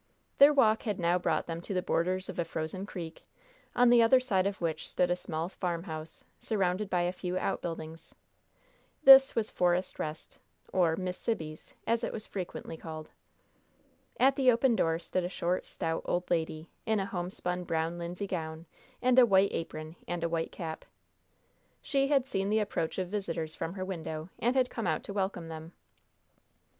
Their walk had now brought them to the borders of a frozen creek, on the other side of which stood a small farmhouse, surrounded by a few outbuildings. This was "Forest Rest," or "Miss Sibby's," as it was frequently called. At the open door stood a short, stout old lady, in a homespun brown linsey gown, a white apron, and a white cap. She had seen the approach of visitors from her window, and had come out to welcome them.